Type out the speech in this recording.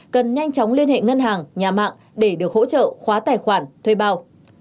cần nhanh chóng liên hệ ngân hàng nhà mạng để được hỗ trợ khóa tài khoản thuê bao